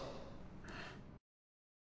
うん。